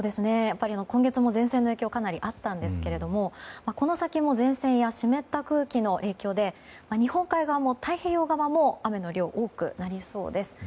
今月も前線の影響がかなりあったんですがこの先も前線や湿った空気の影響で日本海側も太平洋側も雨の量が多くなりそうです。